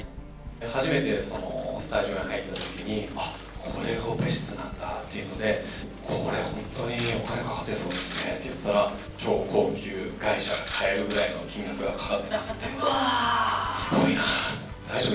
初めてスタジオへ入った時にあっこれがオペ室なんだっていうのでこれ本当にお金かかってそうですねって言ったら超高級外車が買えるぐらいの金額がかかってますってすごいな大丈夫？